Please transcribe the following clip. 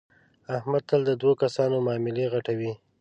احمد تل د دو کسانو معاملې غټوي.